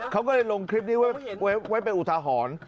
เขาก็เลยลงคลิปนี้ไว้เป็นอุทาหรณ์